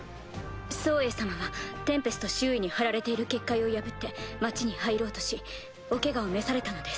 ソウエイ様はテンペスト周囲に張られている結界を破って町に入ろうとしおけがを召されたのです。